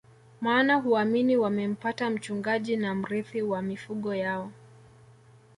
Maana huamini wamempata mchungaji na mrithi wa mifugo yao